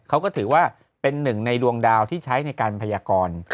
เขาก็ถือว่าเป็นหนึ่งในดวงดาวที่ใช้ในการพยากร